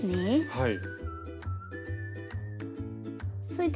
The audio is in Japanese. はい。